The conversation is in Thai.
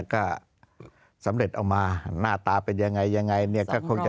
ก็สำเร็จออกมาหน้าตาเป็นยังไงยังไง